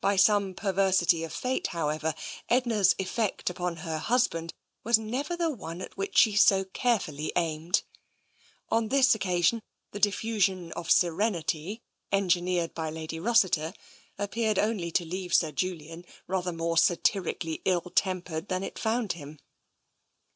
By some perversity of fate, however, Edna's effect upon her husband was never the one at which she so carefully aimed. On this occasion the diffusion of serenity engineered by Lady Rossiter appeared only to leave Sir Julian rather more satirically ill tempered than it found him.